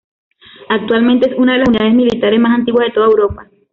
Actualmente es una de las unidades militares más antiguas de toda Europa.